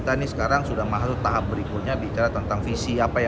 nah ini sama juga dengan koalisi indonesia bersatu sebagai koalisi yang telah terbentuk sejak awal